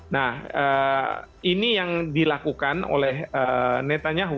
nah ini yang dilakukan oleh netanyahu